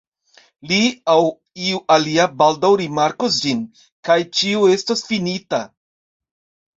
Li aŭ iu alia baldaŭ rimarkos ĝin, kaj ĉio estos finita.